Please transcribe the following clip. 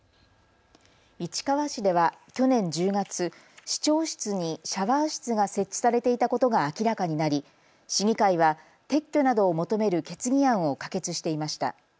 市川市では去年１０月、市長室にシャワー室が設置されていたことが明らかになり市議会は撤去などを求める決議案を可決していました。